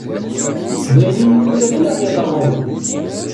D ayen i nuklal i la aɣ-iḍerrun.